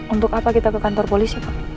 untuk apa kita ke kantor polisi pak